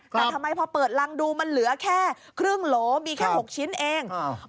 แต่ทำไมพอเปิดรังดูมันเหลือแค่ครึ่งโหลมีแค่๖ชิ้นเอง